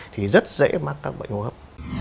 thì rất dễ mắc các bệnh hô hấp